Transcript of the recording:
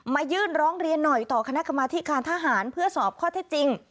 มายื่นร้องเรียนหน่อยต่อคณะกรรมาธิการทหารเพื่อสอบข้อเท็จจริง